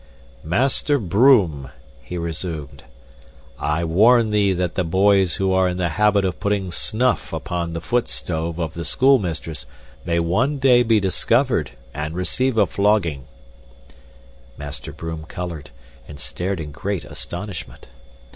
"Master Broom," he resumed, "I warn thee that the boys who are in the habit of putting snuff upon the foot stove of the schoolmistress may one day be discovered and receive a flogging " Master Broom colored and stared in great astonishment.